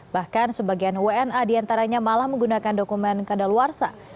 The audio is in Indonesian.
bahkan sebagian wna diantaranya malah menggunakan dokumen kandaluarsa